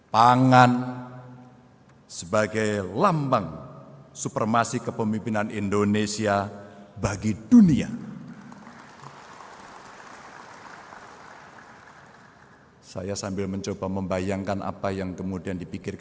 pangan sebagai lambang supremasi kepemimpinan indonesia bagi dunia